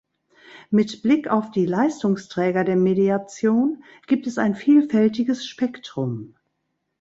Mit Blick auf die Leistungsträger der Mediation gibt es ein vielfältiges Spektrum.